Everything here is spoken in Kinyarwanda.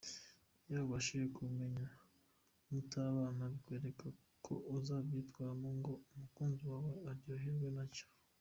Iyo ubashije kubimenya mutarabana bikwereka uko uzabyitwaramo ngo umukunzi wawe aryoherwe nacyo.